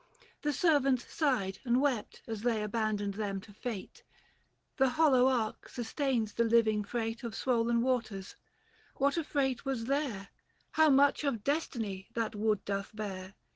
The servants sighed And wept as they abandoned them to fate. 420 The hollow ark sustains the living freight On swollen waters ; what a freight was there — How much of destiny that wood doth bear